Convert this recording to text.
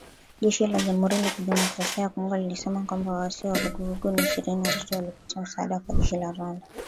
Jeshi la Jamhuri ya Kidemokrasia ya Kongo lilisema kwamba “waasi wa Vuguvugu la Ishirini na tatu, walipata msaada kwa jeshi la Rwanda"